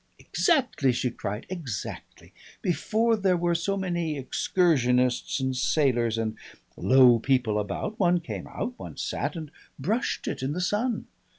"Exactly!" she cried, "exactly! Before there were so many Excursionists and sailors and Low People about, one came out, one sat and brushed it in the sun.